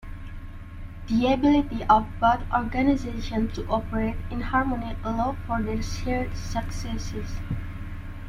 The ability of both organizations to operate in harmony allowed for their shared successes.